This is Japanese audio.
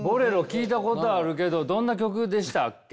聴いたことあるけどどんな曲でしたっけ？